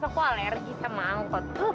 aku alergi sama angkot